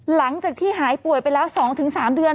หลังจากที่หายป่วยไปแล้ว๒๓เดือน